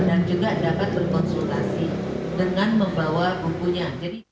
juga dapat berkonsultasi dengan membawa bukunya